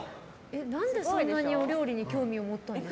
何で、そんなにお料理に興味を持ったんですか？